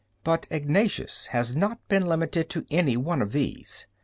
But Ignatius has not been limited to any one of these.